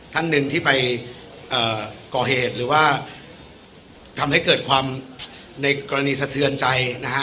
ท่านหนึ่งที่ไปก่อเหตุหรือว่าทำให้เกิดความในกรณีสะเทือนใจนะฮะ